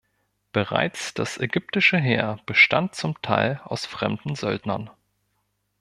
Bereits das ägyptische Heer bestand zum Teil aus fremden Söldnern.